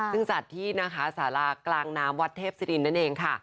ซึ่งสัตว์ที่สารากลางน้ำวัดเทพศิรินนั่นเอง